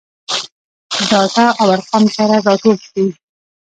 ډاټا او ارقام سره راټول کړي.